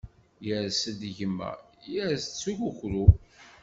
Yers-d gma, yers-d s ukukru.